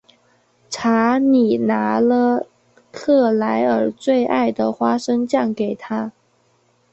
查理拿了克莱尔最爱的花生酱给她。